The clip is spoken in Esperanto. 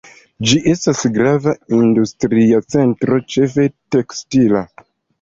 Ĝi estas grava industria centro, ĉefe tekstila.